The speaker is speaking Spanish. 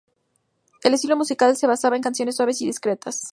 El estilo musical se basaba en canciones suaves y discretas.